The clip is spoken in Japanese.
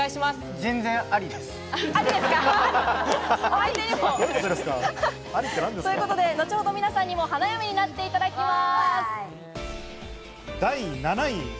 全然ありです。ということで後ほど皆さんにも花嫁になっていただきます。